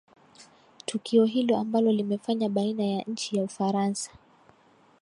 tukio hilo ambalo limefanya baina ya nchi ya ufaransa